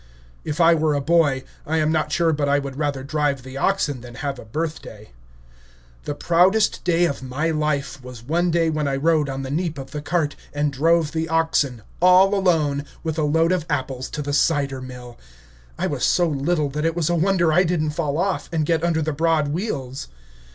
If I were a boy, I am not sure but I would rather drive the oxen than have a birthday. The proudest day of my life was one day when I rode on the neap of the cart, and drove the oxen, all alone, with a load of apples to the cider mill. I was so little that it was a wonder that I did n't fall off, and get under the broad wheels.